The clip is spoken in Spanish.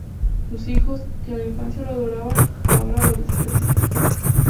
Sus hijos, que en la infancia lo adoraban, ahora lo desprecian.